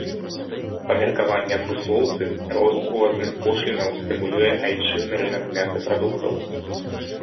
Па меркаванні адмыслоўцы, рост увазных пошлінаў стымулюе айчынны рынак мясапрадуктаў.